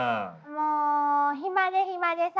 もう暇で暇でさ。